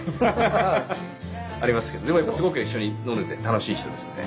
ハハハ！ありますけどでもやっぱすごく一緒に飲んでて楽しい人ですねはい。